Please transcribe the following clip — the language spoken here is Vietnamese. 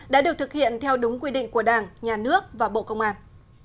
đã được thực hiện theo đúng quy định của đảng nhà nước và bộ công an